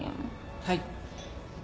はい